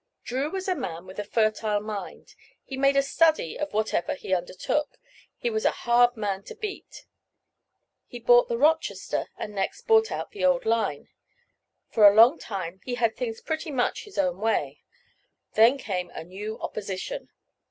Drew was a man with a fertile mind; he made a study of whatever he undertook; he was a hard man to beat. He bought the "Rochester," and next bought out the old line. For a long time he had things pretty much his own way; then came a new opposition.